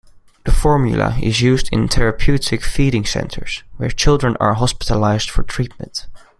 The formula is used in therapeutic feeding centres where children are hospitalized for treatment.